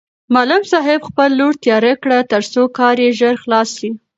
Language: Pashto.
معلم صاحب خپل لور تېره کړ ترڅو کار یې ژر خلاص شي.